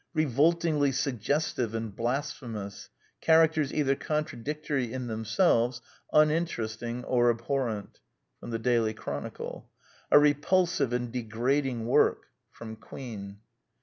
" Revoltingly sug gestive and blasphemous. ••. Characters either contradictory in themselves, uninteresting or ab horrent." Daily Chronicle. " A repulsive and degrading work." Queen.